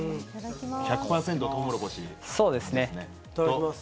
１００％トウモロコシです。